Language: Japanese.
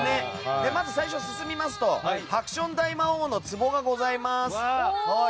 まず最初進みますとハクション大魔王の壺がございます。